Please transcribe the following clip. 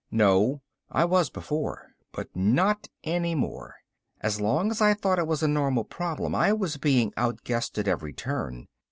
"No. I was before but not any more. As long as I thought it was a normal problem I was being outguessed at every turn.